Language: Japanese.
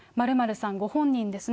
○○さんご本人ですね。